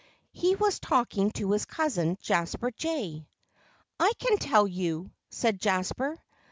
He was talking to his cousin, Jasper Jay. "I can tell you," said Jasper.